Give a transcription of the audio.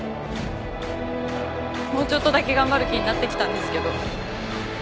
もうちょっとだけ頑張る気になってきたんですけど。